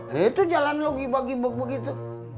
nah itu jalan lo gibok gibok begitu